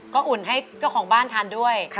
ก็อุ่นให้เจ้าของบ้านทานด้วย